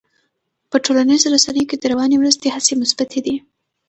په ټولنیزو رسنیو کې د رواني مرستې هڅې مثبتې دي.